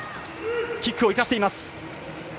キックを生かしています。